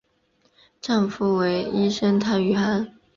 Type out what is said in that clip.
丈夫为医生汤于翰。